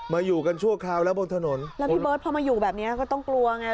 อยู่กันชั่วคราวแล้วบนถนนแล้วพี่เบิร์ตพอมาอยู่แบบเนี้ยก็ต้องกลัวไง